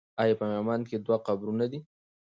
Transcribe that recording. آیا په میوند کې دوه قبرونه دي؟